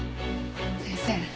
先生